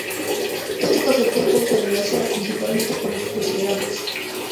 Este pasatiempo se relaciona principalmente con los crucigramas.